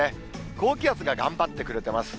高気圧が頑張ってくれてます。